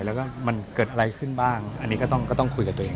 แล้วก็มันเกิดอะไรขึ้นบ้างอันนี้ก็ต้องคุยกับตัวเอง